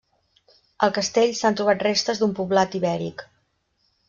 Al castell s'han trobat restes d'un poblat ibèric.